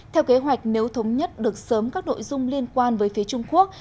theo kế hoạch nếu thống nhất được sớm các nội dung liên quan với phía trung quốc